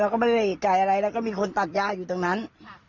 ก็ไม่ได้เอกใจอะไรแล้วก็มีคนตัดยาอยู่ตรงนั้น